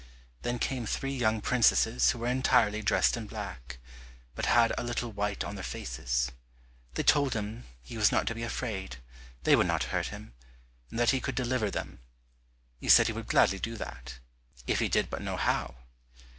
Then came three young princesses who were entirely dressed in black, but had a little white on their faces; they told him he was not to be afraid, they would not hurt him, and that he could deliver them. He said he would gladly do that, if he did but know how.